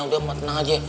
udah emak tenang aja